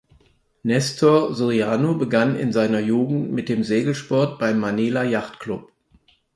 Nestor Soriano begann in seiner Jugend mit dem Segelsport beim "Manila Yacht Club".